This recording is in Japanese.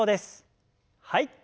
はい。